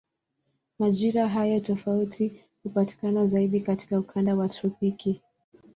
Majira hayo tofauti hupatikana zaidi katika ukanda wa tropiki.